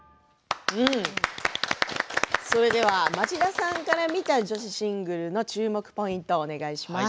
町田さんから見た女子シングルの注目ポイントをお願いします。